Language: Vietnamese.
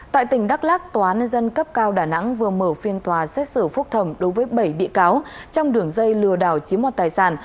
tại tỉnh đắk lắc tòa án nhân dân cấp cao đà nẵng vừa mở phiên tòa xét xử phúc thẩm đối với bảy bị cáo trong đường dây lừa đảo chiếm mọt tài sản